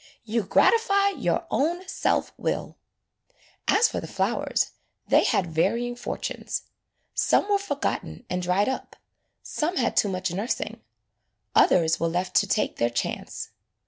You gratify your own self will." As for the flowers, they had varying for [IG] AN EASTER LILY tunes. Some were forgotten and dried up, some had too much nursing, others were left to take their chance.